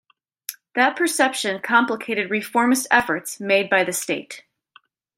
That perception complicated reformist efforts made by the state.